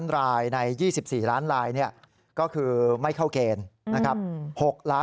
๑๒๐๐๐๐๐๐รายใน๒๔๐๐๐๐๐๐รายก็คือไม่เข้าเกณฑ์